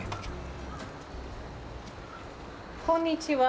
こんにちは。